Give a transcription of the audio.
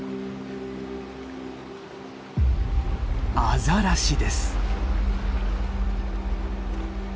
アザラシです。